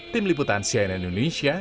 tim liputan sianan indonesia